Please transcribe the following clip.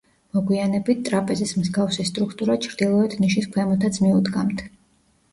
მოგვიანებით, ტრაპეზის მსგავსი სტრუქტურა ჩრდილოეთ ნიშის ქვემოთაც მიუდგამთ.